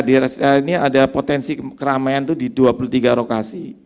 di rest area ini ada potensi keramaian itu di dua puluh tiga lokasi